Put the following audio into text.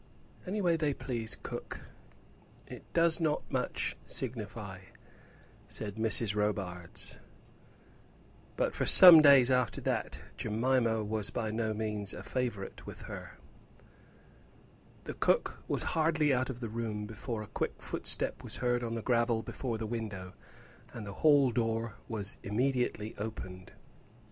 "Any way they please, cook; it does not much signify," said Mrs. Robarts. But for some days after that Jemima was by no means a favourite with her. The cook was hardly out of the room before a quick footstep was heard on the gravel before the window, and the hall door was immediately opened.